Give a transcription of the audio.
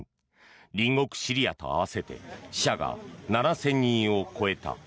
隣国シリアと合わせて死者が７０００人を超えた。